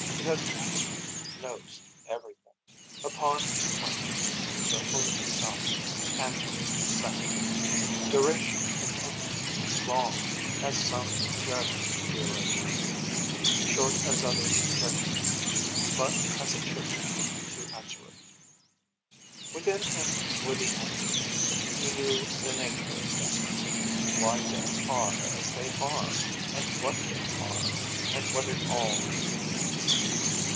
Because Answerer knows everything. Upon his planet, circling his sun, Answerer sat. Duration continued, long, as some judge duration, short as others judge it. But as it should be, to Answerer. Within him were the Answers. He knew the nature of things, and why things are as they are, and what they are, and what it all means.